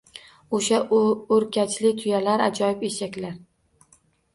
O‘sha o‘rkachli tuyalar, ajoyib eshaklar…